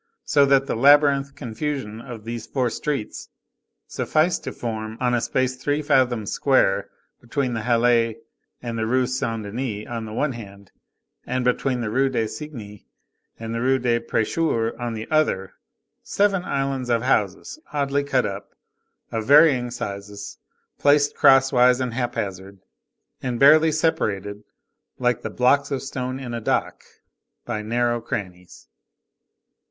So that the labyrinthine confusion of these four streets sufficed to form, on a space three fathoms square, between the Halles and the Rue Saint Denis on the one hand, and between the Rue du Cygne and the Rue des Prêcheurs on the other, seven islands of houses, oddly cut up, of varying sizes, placed crosswise and hap hazard, and barely separated, like the blocks of stone in a dock, by narrow crannies.